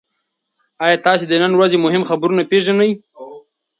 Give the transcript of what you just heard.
ایا تاسي د نن ورځې مهم خبرونه پېژنئ؟